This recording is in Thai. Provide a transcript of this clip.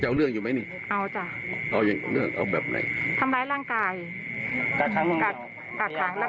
แกตายได้ก็ไม่มีคนช่วยแล้ว